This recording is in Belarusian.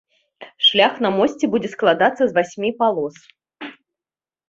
Шлях на мосце будзе складацца з васьмі палос.